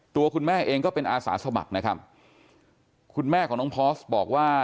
ตัวคุณแม่เองก็เป็นอาสาสมัครนะครับคุณแม่ของน้องพอร์สบอกว่า